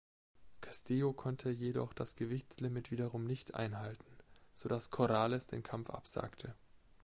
Castillo konnte jedoch das Gewichtslimit wiederum nicht einhalten, so dass Corrales den Kampf absagte.